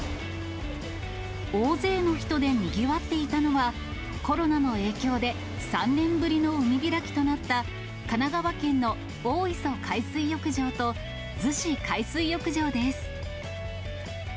大勢の人でにぎわっていたのは、コロナの影響で３年ぶりの海開きとなった、神奈川県の大磯海水浴場と逗子海水浴場です。